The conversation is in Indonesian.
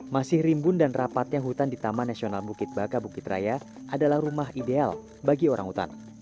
masih rimbun dan rapatnya hutan di taman nasional bukit baka bukit raya adalah rumah ideal bagi orang hutan